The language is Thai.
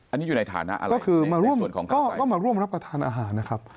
อันนี้อยู่ในฐานะอะไรในส่วนของเขาไปก็คือมาร่วมรับประทานอาหารนะครับ